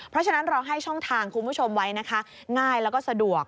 เพราะฉะนั้นเราให้ช่องทางคุณผู้ชมไว้นะคะง่ายแล้วก็สะดวก